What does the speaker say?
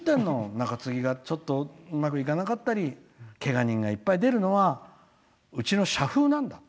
中継ぎが、うまくいかなかったりけが人がいっぱい出るのはうちの社風なんだ。